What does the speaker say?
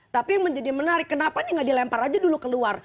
tapi yang menjadi menarik kenapa ini nggak dilempar aja dulu keluar